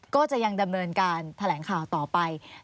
ก็จะยังดำเนินการแถลงข่าวต่อไป